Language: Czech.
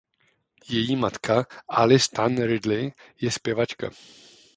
Její matka Alice Tan Ridley je zpěvačka.